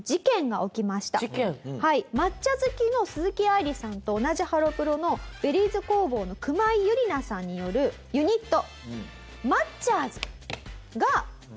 抹茶好きの鈴木愛理さんと同じハロプロのＢｅｒｒｙｚ工房の熊井友理奈さんによるユニット。